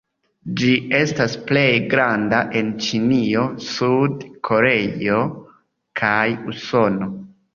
Ĝi estas plej granda en Ĉinio, Sud-Koreio kaj Usono.